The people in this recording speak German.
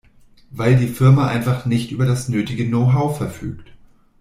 Weil die Firma einfach nicht über das nötige Know-how verfügt.